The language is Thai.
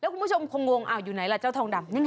คุณผู้ชมคงงงว่าอาวอยู่ไหนแหละเกี่ยวทองดำ